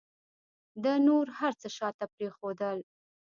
ده نور هر څه شاته پرېښودل.